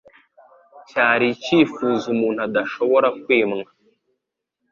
Cyari icyifuzo umuntu adashobora kwimwa,